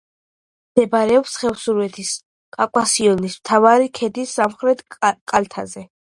მდებარეობს ხევსურეთის კავკასიონის მთავარი ქედის სამხრეთ კალთაზე.